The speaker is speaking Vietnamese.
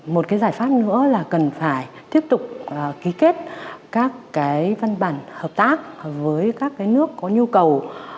một giải pháp nữa là cần phải tiếp tục ký kết các văn bản hợp tác với các nước có nhu cầu